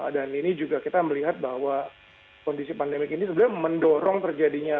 dan ini juga kita melihat bahwa kondisi pandemik ini sebenarnya mendorong terjadinya